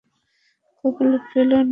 কপালে ফেলো না।